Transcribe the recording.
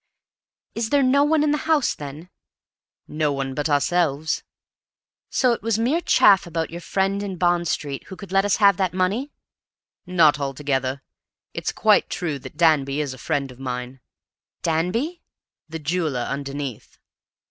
"Is there no one in the house, then?" "No one but ourselves." "So it was mere chaff about your friend in Bond Street, who could let us have that money?" "Not altogether. It's quite true that Danby is a friend of mine." "Danby?" "The jeweller underneath."